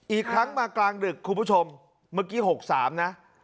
อีกครั้งมากลางดึกคุณผู้ชมเมื่อกี้๖๓นะ